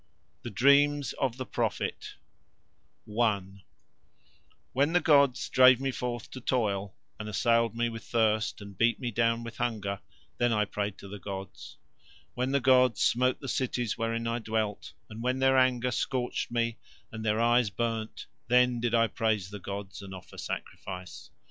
THE DREAMS OF THE PROPHET I When the gods drave me forth to toil and assailed me with thirst and beat me down with hunger, then I prayed to the gods. When the gods smote the cities wherein I dwelt, and when Their anger scorched me and Their eyes burned, then did I praise the gods and offer sacrifice.